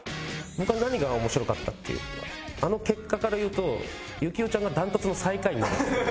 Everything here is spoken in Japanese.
これ何が面白かったっていうのはあの結果から言うと行雄ちゃんが断トツの最下位なんです。